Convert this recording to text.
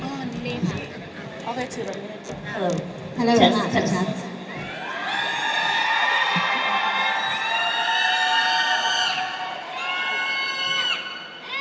สวัสดีทุกคน